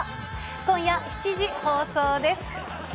今夜７時放送です。